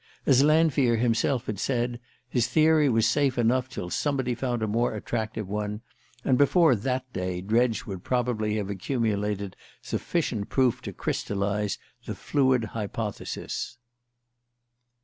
As Lanfear himself had said, his theory was safe enough till somebody found a more attractive one; and before that day Dredge would probably have accumulated sufficient proof to crystallize the fluid hypothesis.